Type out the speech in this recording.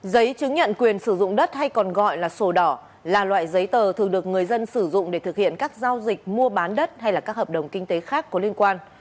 giấy chứng nhận quyền sử dụng đất hay còn gọi là sổ đỏ là loại giấy tờ thường được người dân sử dụng để thực hiện các giao dịch mua bán đất hay các hợp đồng kinh tế khác có liên quan